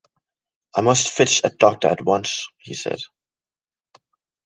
“I must fetch a doctor at once,” he said.